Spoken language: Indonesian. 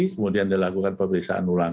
kemudian dilakukan pemeriksaan ulang